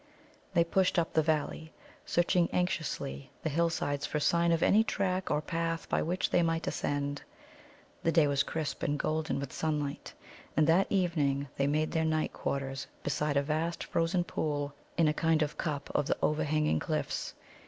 They pushed up the valley, searching anxiously the hillsides for sign of any track or path by which they might ascend. The day was crisp and golden with sunlight. And that evening they made their night quarters beside a vast frozen pool in a kind of cup of the overhanging cliffs.